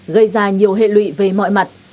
gây ra nhiều hệ lụy về mọi mặt